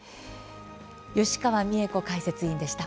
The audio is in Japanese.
吉川美恵子解説委員でした。